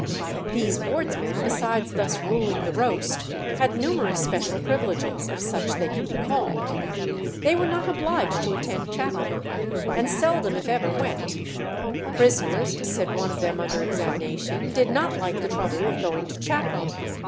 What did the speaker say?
These wardsmen, besides thus ruling the roast, had numerous special privileges, if such they can be called. They were not obliged to attend chapel, and seldom if ever went; "prisoners," said one of them under examination, "did not like the trouble of going to chapel."